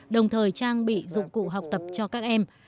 đồng thời trang bị dụng cụ học tập cho các em